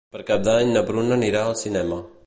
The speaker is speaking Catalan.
Per Cap d'Any na Bruna anirà al cinema.